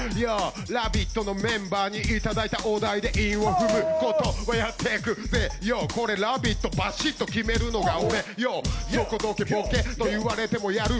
「ラヴィット！」のメンバーにいただいたお題で韻を踏むことをやっていく、やってくぜ、これ「ラヴィット！」バシッと決めるのが、俺横ボケボケ、といわれてもやる。